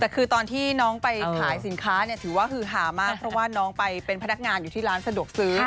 แต่คือตอนที่น้องไปขายสินค้าเนี่ยถือว่าฮือหามากเพราะว่าน้องไปเป็นพนักงานอยู่ที่ร้านสะดวกซื้อ